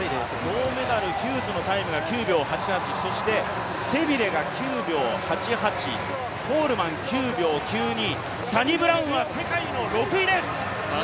銅メダルヒューズのタイムが９秒８８、そしてセビルが９秒８８、コールマン９秒９２、サニブラウンは世界の６位です！